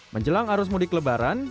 menjelang arus mudik lebaran